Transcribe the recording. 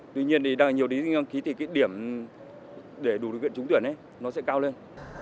tuy nhiên nhiều thí sinh đăng ký thì điểm để đủ được trung tuyển